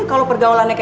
ya udah kita pulang ya